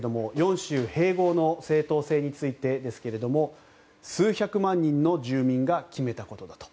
４州併合の正当性についてですけれども数百万人の住民が決めたことだと。